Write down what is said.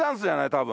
多分。